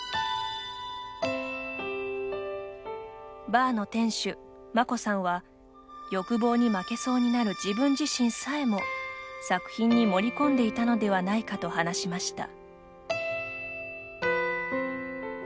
バーの店主・マコさんは欲望に負けそうになる自分自身さえも作品に盛り込んでいたのではないかと話しました。